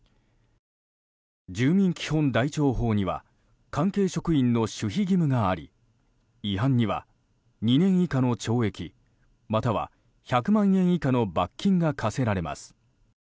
住民基本台帳法には関係職員の守秘義務があり違反には２年以下の懲役または１００万円以下の罰金が科せられます。